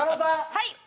はい。